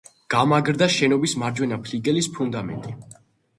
გამაგრდა შენობის მარჯვენა ფლიგელის ფუნდამენტი.